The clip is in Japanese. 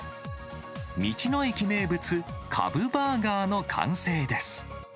道の駅名物、カブバーガーの完成です。